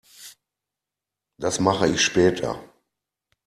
Das mache ich später.